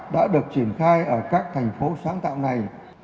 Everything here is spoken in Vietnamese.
đã được triển khai ở các thành phố sáng tạo này